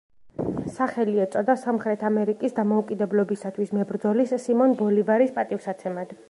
სახელი ეწოდა სამხრეთ ამერიკის დამოუკიდებლობისათვის მებრძოლის, სიმონ ბოლივარის პატივსაცემად.